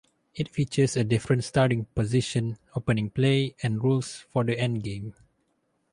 It features a differing starting position, opening play, and rules for the endgame.